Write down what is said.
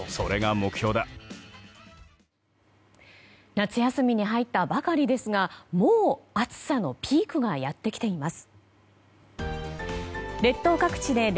夏休みに入ったばかりですがもう暑さのピークがやってきています。